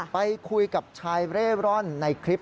ไปคุยกับชายเร่ร่อนในคลิป